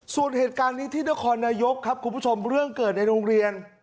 ส่วนเหตุการณ์นี้ที่นครนายกครับคุณผู้ชมเรื่องเกิดในโรงเรียน